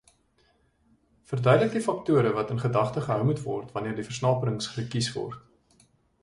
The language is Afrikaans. Verduidelik die faktore wat in gedagte gehou moet word wanneer die versnaperings gekies word.